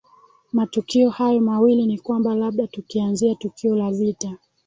matukio hayo mawili ni kwamba labda tukianzia tukio la vita